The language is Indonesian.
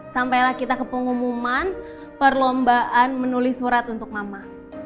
sampailah kita ke pengumuman perlombaan menulis surat untuk mama